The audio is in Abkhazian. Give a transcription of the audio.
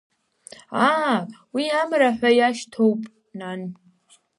Аа, уи амра ҳәа иашьҭоуп, нан.